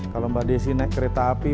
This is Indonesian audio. kalau mbak desi naik kereta api